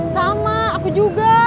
sama aku juga